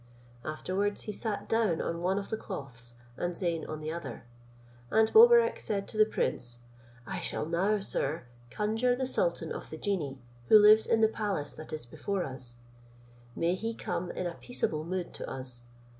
Afterwards he sat down on one of the cloths, and Zeyn on the other; and Mobarec said to the prince, "I shall now, sir, conjure the sultan of the genii, who lives in the palace that is before us; may he come in a peaceable mood to us!